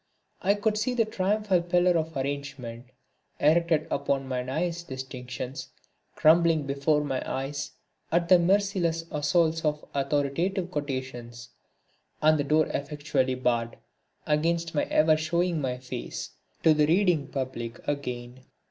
I could see the triumphal pillar of argument, erected upon my nice distinctions, crumbling before my eyes at the merciless assaults of authoritative quotations; and the door effectually barred against my ever showing my face to the reading public again.